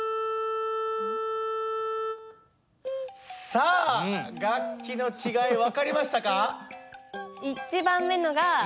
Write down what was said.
さあ楽器の違い分かりましたか？